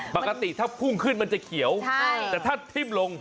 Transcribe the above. ปกติถ้าพุ่งขึ้นมันจะเขียวแต่ถ้าทิ่มลง